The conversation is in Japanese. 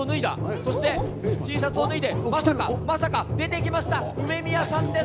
そしてＴシャツを脱いで、まさか、まさか、出てきました、梅宮さんです。